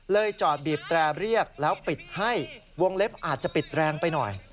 จอดบีบแตรเรียกแล้วปิดให้วงเล็บอาจจะปิดแรงไปหน่อย